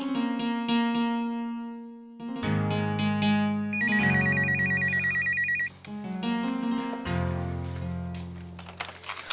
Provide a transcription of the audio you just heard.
karena akibatnya akan jadi seperti ini